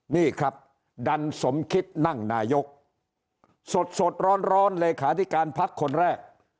นี่ครับดันสมคิดนั่งนายกสดร้อนเลขาธิการพักคนแรก